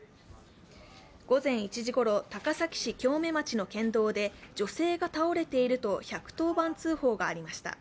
午前１時ごろ、高崎市京目町の県道で女性が倒れていると１１０番通報がありました。